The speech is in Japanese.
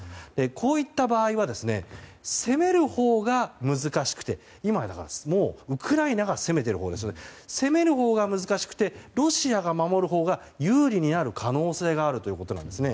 こういった場合は攻めるほうが難しくて今、もうウクライナが攻めているほうですので攻めるほうが難しくてロシア、守るほうが有利になる可能性があるということです。